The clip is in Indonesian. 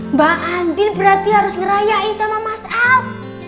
mbak andi berarti harus ngerayain sama mas al